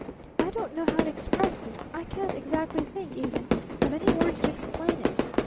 I don't know how to express it; I can't exactly think, even, of any words to explain it.